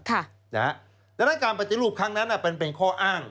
ดังนั้นการปฏิรูปครั้งนั้นเป็นข้ออ้าง